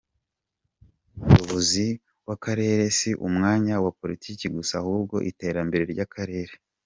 "Akazi k'umuyobozi w'akarere si umwanya wa politiki gusa, ahubwo iterambere ry'akarere.